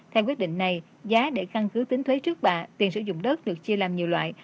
theo quyết định này giá để căn cứ tính thuế trước bạ tiền sử dụng đất được chia làm nhiều loại